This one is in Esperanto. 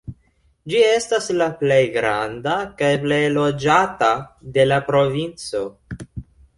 Ĝi estas la plej granda kaj plej loĝata de la provinco.